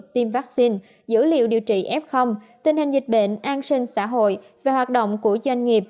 tiêm vaccine dữ liệu điều trị f tình hình dịch bệnh an sinh xã hội và hoạt động của doanh nghiệp